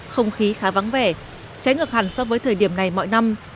không khí khá vắng vẻ trái ngược hẳn so với thời điểm này mọi năm